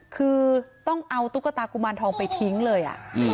คือต้องเอาตุ๊กตากุมารทองไปทิ้งเลย